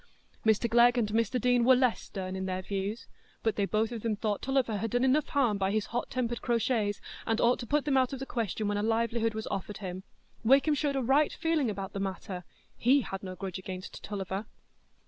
Mr Glegg and Mr Deane were less stern in their views, but they both of them thought Tulliver had done enough harm by his hot tempered crotchets and ought to put them out of the question when a livelihood was offered him; Wakem showed a right feeling about the matter,—he had no grudge against Tulliver.